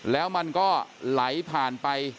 แล้วมันก็ไหลผ่านไป